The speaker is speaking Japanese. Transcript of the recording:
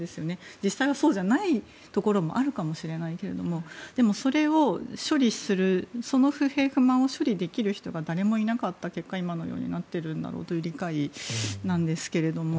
実際はそうじゃないところもあるかもしれないけれどもでも、その不平不満を処理できる人が誰もいなかった結果、今のようになっているんだろうという理解なんですけれども。